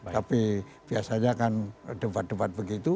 tapi biasanya kan debat debat begitu